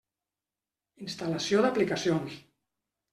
Instal·lació d'aplicacions.